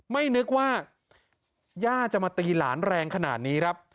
ไม่นึกว่าย่าจะมาตีหลานแรงขนาดนี้ครับ